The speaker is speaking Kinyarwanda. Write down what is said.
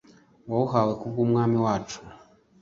wawuhawe ku bw’Umwami wacu